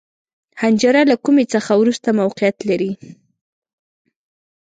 حنجره له کومي څخه وروسته موقعیت لري.